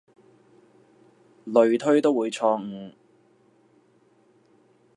類推都會錯誤